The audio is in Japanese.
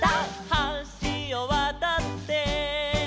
「はしをわたって」